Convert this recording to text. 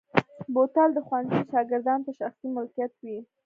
بوتل د ښوونځي شاګردانو ته شخصي ملکیت وي.